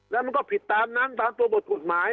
แล้วมันก็ผิดตามนั้นตามตัวบทกฎหมาย